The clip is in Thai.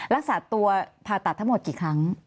รักษาตัวผ่าตัดทั้งหมดกี่ครั้ง